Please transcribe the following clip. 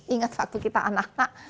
ingat waktu kita anak nak